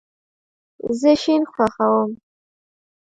زه شین خوښوم